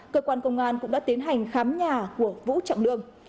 cơ quan công an cũng đã tiến hành khám nhà của vũ trọng lương